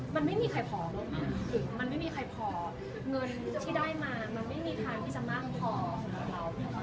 มันไม่มีใครพอมันไม่มีใครพอเงินที่ได้มามันไม่มีทางที่จะมากพอของเรา